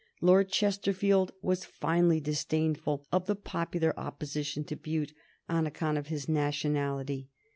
Lord Chesterfield was finely disdainful of the popular opposition to Bute on account of his nationality.